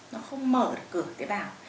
nó không mở được cửa tế bào